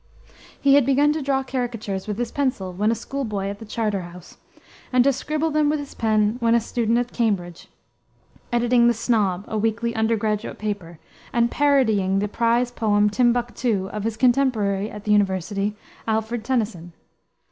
He had begun to draw caricatures with his pencil when a schoolboy at the Charter House, and to scribble them with his pen when a student at Cambridge, editing The Snob, a weekly under graduate paper, and parodying the prize poem Timbuctoo of his contemporary at the university, Alfred Tennyson.